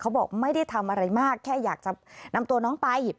บอกไม่ได้ทำอะไรมากแค่อยากจะนำตัวน้องไป